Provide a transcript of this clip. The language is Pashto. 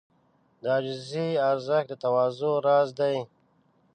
د عاجزۍ ارزښت د تواضع راز دی.